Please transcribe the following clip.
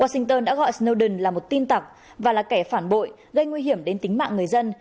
washington đã gọi snoden là một tin tặc và là kẻ phản bội gây nguy hiểm đến tính mạng người dân